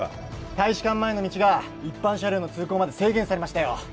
大使館前の道が一般車両の通行まで制限されましたよ